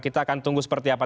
kita akan tunggu seperti apa